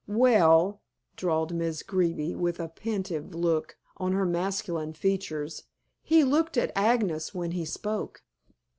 "Well," drawled Miss Greeby with a pensive look on her masculine features, "he looked at Agnes when he spoke."